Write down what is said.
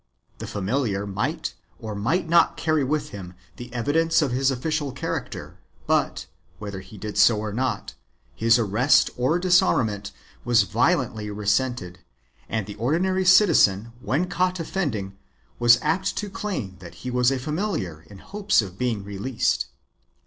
The familiar might or might not carry with him the evidence of his official character but, whether he did so or not, his arrest or disarmament was violently resented, and the ordinary citizen when caught offending was apt to claim that he was a familiar in hopes of being released.